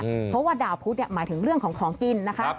เพราะว่าดาวพุทธหมายถึงเรื่องของของกินนะคะ